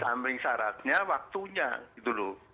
nah disambil syaratnya waktunya dulu